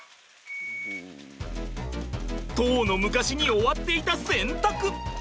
とうの昔に終わっていた洗濯。